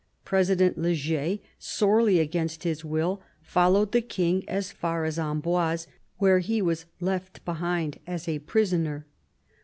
President Le Jay, sorely against his will, followed the King as far as Amboise, where he was left behind as a prisoner.